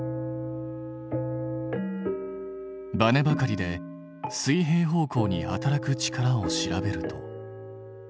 バネばかりで水平方向に働く力を調べると。